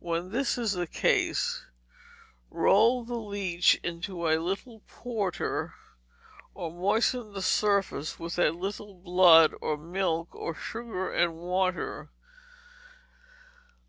When this is the case, roll the leech into a little porter, or moisten the surface with a little blood, or milk, or sugar and water.